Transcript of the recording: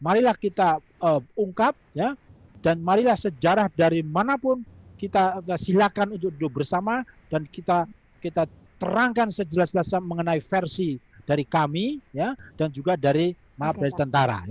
marilah kita ungkap ya dan marilah sejarah dari mana pun kita silahkan untuk duduk bersama dan kita terangkan sejelas jelas mengenai versi dari kami ya dan juga dari tentara ya